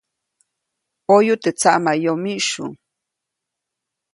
Poyu teʼ tsaʼmayomiʼsyu.